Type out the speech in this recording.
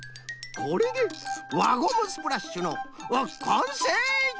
これで輪ゴムスプラッシュのあっかんせい！